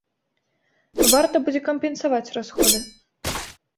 Варта будзе кампенсаваць расходы.